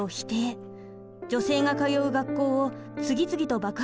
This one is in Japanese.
女性が通う学校を次々と爆破しました。